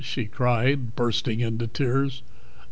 she cried, bursting into tears.